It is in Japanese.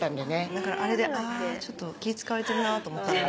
だからあれで「あぁちょっと気使われてるな」と思った。